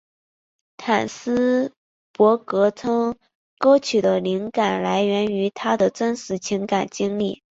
斯坦伯格称歌曲的灵感来源于他的真实情感经历。